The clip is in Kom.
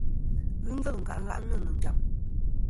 Ghɨ ngvêl nkâʼ ngàʼnɨ̀ nɨ̀ njàm.